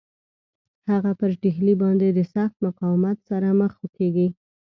هغه پر ډهلي باندي د سخت مقاومت سره مخامخ کیږي.